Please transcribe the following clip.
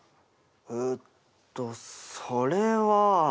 えっとそれは。